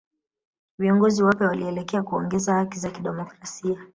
Viongozi wapya walielekea kuongeza haki za kidemokrasia